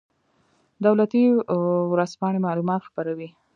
دولتي ورځپاڼې معلومات خپروي